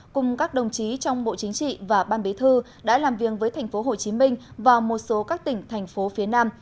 cùng các đồng chí trong bộ chính trị và ban bế thư đã làm viêng với tp hcm và một số các tỉnh thành phố phía nam